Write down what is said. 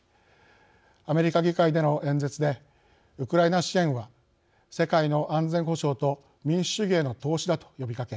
アメリカ議会での演説で「ウクライナ支援は世界の安全保障と民主主義への投資だ」と呼びかけ